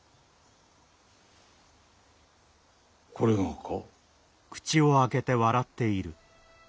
これがか？